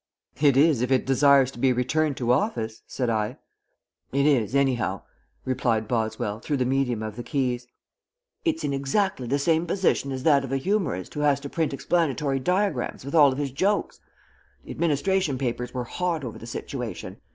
"It is, if it desires to be returned to office," said I. "It is anyhow," replied Boswell through the medium of the keys. "It's in exactly the same position as that of a humorist who has to print explanatory diagrams with all of his jokes. The administration papers were hot over the situation.